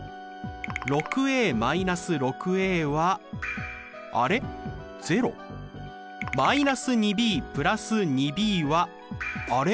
６−６はあれ０？−２ｂ＋２ｂはあれ？